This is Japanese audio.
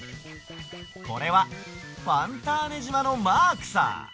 これはファンターネじまのマークさ！